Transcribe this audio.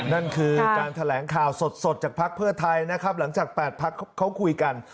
นั่นคือการแถลงข่าวสดจากภักดิ์เพื่อไทยนะครับหลังจาก๘พักเขาคุยกัน